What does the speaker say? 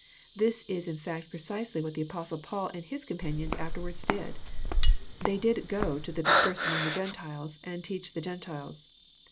This is in fact precisely what the Apostle Paul and his companions afterwards did. They did go to the dispersed among the Gentiles, and teach the Gentiles."